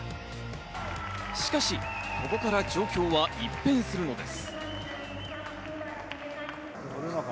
しかしここから状況は一変するのです。